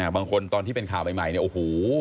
ตอนที่เป็นข่าวใหม่เนี่ยโอ้โห